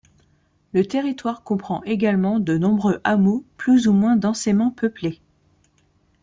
Le territoire comprend également de nombreux hameaux plus ou moins densément peuplé.